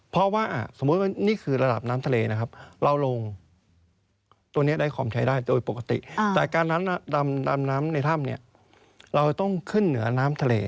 เพราะว่าสมมุติว่านี่คือระดับน้ำทะเลนะครับเราลงตัวนี้ได้ของใช้ได้โดยปกติแต่การนั้นดำน้ำในถ้ำเนี่ยเราต้องขึ้นเหนือน้ำทะเล